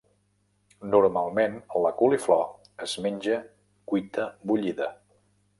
Normalment la coliflor es menja cuita bullida.